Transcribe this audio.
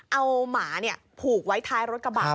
เอาหมาผูกไว้ท้ายรถกระบะ